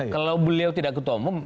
kalau beliau tidak ketua umum